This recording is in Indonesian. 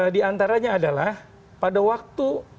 diantaranya adalah pada waktu